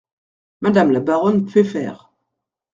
Madame la baronne Pfeffers.